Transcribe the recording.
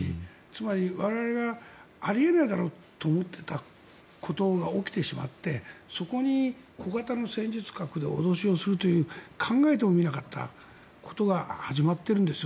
つまり我々がありえないだろうと思っていたことが起きてしまってそこに小型の戦術核で脅しをするという考えてもみなかったことが始まってるんです。